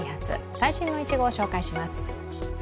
最新のいちごを紹介します。